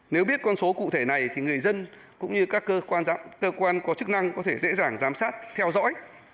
nếu biết con số cụ thể này thì người dân cũng như các cơ quan có chức năng có thể dễ dàng giám sát theo dõi